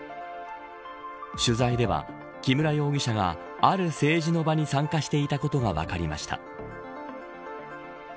取材では、木村容疑者がある政治の場に参加していたことが分かりました。